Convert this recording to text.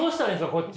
こっち。